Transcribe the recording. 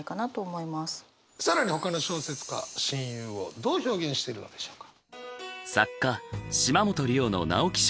更にほかの小説家親友をどう表現してるのでしょうか？